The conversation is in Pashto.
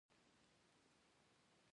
د ننګرهار په مومند دره کې د څه شي نښې دي؟